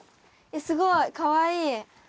すごい！かわいい！